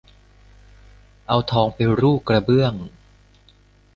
เอาทองไปรู่กระเบื้อง